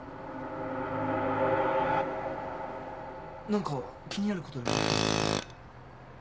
何か気になることでもあったんですか？